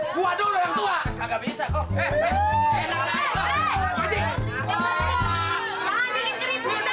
gua dulu yang tua